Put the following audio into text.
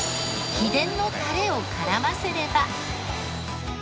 秘伝のタレを絡ませれば。